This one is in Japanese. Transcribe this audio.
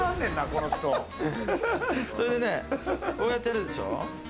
それで、こうやってやるでしょ？